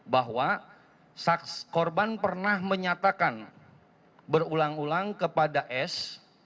bahwa korban pernah menyatakan berulang ulang kepada s